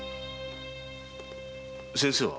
先生は？